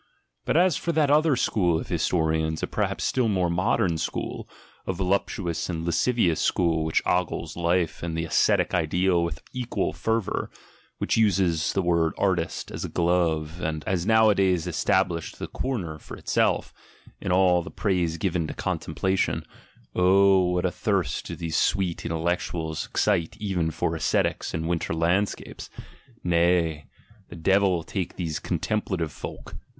But ,s for that other school of historians a perhaps still more modern" school, a voluptuous and lascivious school which •gles life and the ascetic ideal with equal fervour, which ises the word "artist" as a glove, and has nowadays es ablished a "corner" for itself, in all the praise given to :ontemplation ; oh, what a thirst do these sweet intellec uals excite even for ascetics and winter landscapes! Nay! rhe devil take these "contemplative" folk!